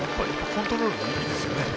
コントロールもいいですよね。